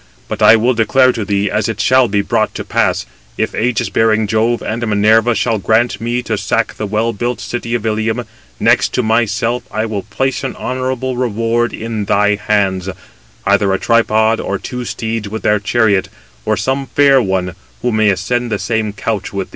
But I will declare to thee, as it shall be brought to pass, if ægis bearing Jove and Minerva shall grant me to sack the well built city of Ilium, next to myself I will place an honourable reward in thy hands, either a tripod, or two steeds with their chariot, or some fair one, who may ascend the same couch with thee."